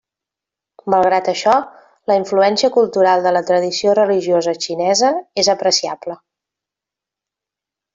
Malgrat això la influència cultural de la tradició religiosa xinesa és apreciable.